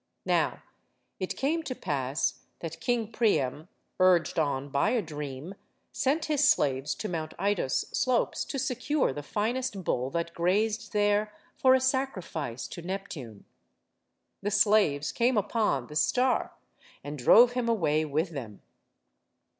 Now it came to pass that King Priam, urged on by a dream, sent his slaves to Mount Ida's slopes to secure the finest HELEN OF TROY 69 bull that grazed there, for a sacrifice to Neptune. The slaves came upon The Star and drove him away with them.